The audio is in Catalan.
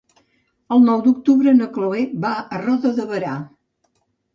El nou d'octubre na Chloé va a Roda de Berà.